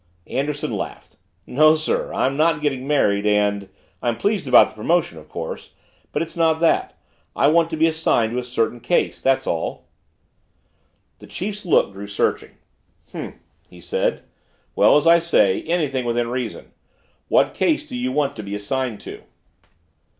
Anderson laughed. "No, sir I'm not getting married and I'm pleased about the promotion, of course but it's not that. I want to be assigned to a certain case that's all." The chief's look grew searching. "H'm," he said. "Well, as I say, anything within reason. What case do you want to be assigned to?"